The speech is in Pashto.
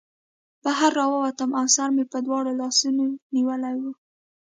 بهر راووتم او سر مې په دواړو لاسونو نیولی و